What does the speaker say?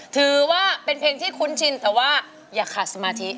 ถือว่าเป็นเพลงที่คุ้นชินแต่ว่าอย่าขาดสมาธิ